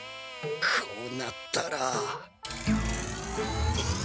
こうなったら。